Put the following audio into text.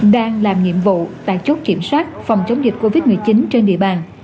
đang làm nhiệm vụ tại chốt kiểm soát phòng chống dịch covid một mươi chín trên địa bàn